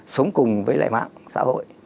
sống cùng với lại mạng xã hội